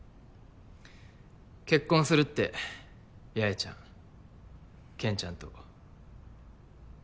結婚するって八重ちゃんけんちゃんと。